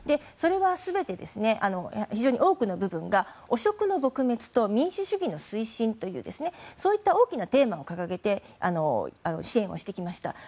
それは全て非常に多くの部分が汚職の撲滅と民主主義の推進というそういった大きなテーマを掲げて支援をしてきました。